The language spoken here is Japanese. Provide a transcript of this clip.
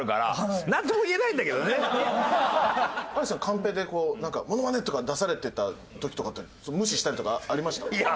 有田さんカンペでなんか「ものまね」とか出されてた時とかって無視したりとかありました？